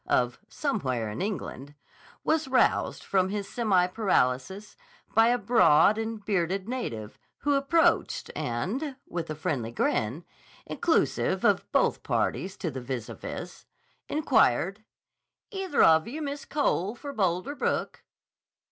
of Somewhere in England, was roused from his Semi paralysis by a broad and bearded native who approached, and, with a friendly grin, inclusive of both parties to the vis à vis, inquired: "Either of yeh Miss Cole for Boulder Brook?"